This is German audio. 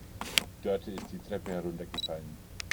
Dörte ist die Treppe heruntergefallen.